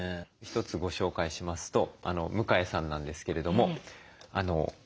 一つご紹介しますと向江さんなんですけれども今月ですね